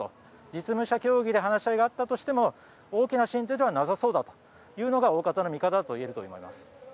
実務者協議で話し合いがあったとしても大きな進展はなさそうというのが大方の見方といえると思います。